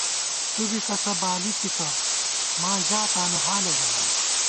تُو بی کسہ بالی تِسہ، ماں ژا تانُو حالہ ژَمان